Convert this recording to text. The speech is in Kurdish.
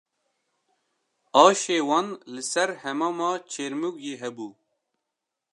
Aşê wan li ser Hemama Çêrmûgê hebû